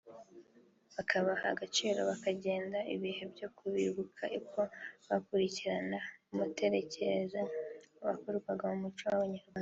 bakabaha agaciro bakagenda ibihe byo kubibuka uko bakurikirana nk’umuterekeza wakorwaga mu muco w’Abanyarwanda